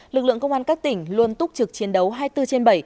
lực lượng công an các tỉnh luôn túc trực chiến đấu hai mươi bốn trên bảy